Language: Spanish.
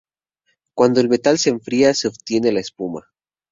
Cuando el metal se enfría se obtiene la espuma.